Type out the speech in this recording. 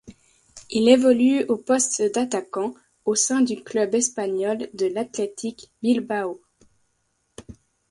Il évolue au poste d'attaquant au sein du club espagnol de l'Athletic Bilbao.